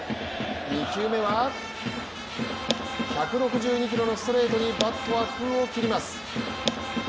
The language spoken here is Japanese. ２球目は、１６２キロのストレートにバットは空を切ります。